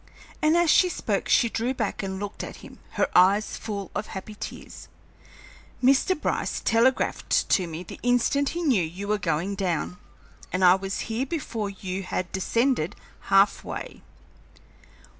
And as she spoke she drew back and looked at him, her eyes full of happy tears. "Mr. Bryce telegraphed to me the instant he knew you were going down, and I was here before you had descended half way."